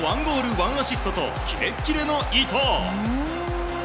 １アシストとキレキレの伊東！